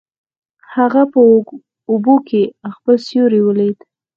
هغه په اوبو کې خپل سیوری ولید.